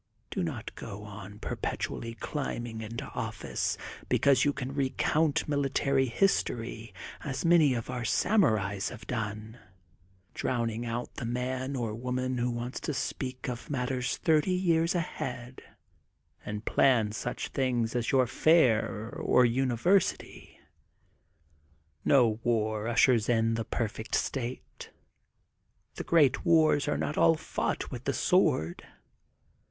Do not go on perpetually climb ing into ojBBce because you can recount mili tary history, as many of our Samurai have done, drowning out the man or woman who wants to speak of matters thirty years ahead and plan such a thing as your Fair or Univer sity. No war ushers in the perfect state. The great wars are not all fought with the swoi*d.